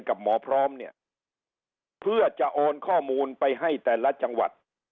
กับหมอพร้อมเนี่ยเพื่อจะโอนข้อมูลไปให้แต่ละจังหวัด